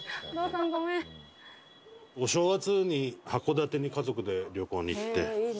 お正月に函館に家族で旅行に行って。